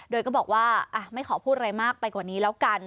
โดยก็บอกว่าไม่ขอพูดอะไรมากไปกว่านี้แล้วกัน